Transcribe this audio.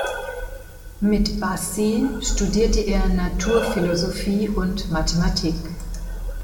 Mit Bassi studierte er Naturphilosophie und Mathematik.